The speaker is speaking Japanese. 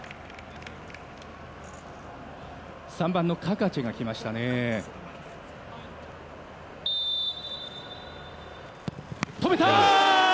３番のカカチェが来ましたね。